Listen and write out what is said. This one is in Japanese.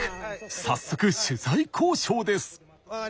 早速取材交渉です。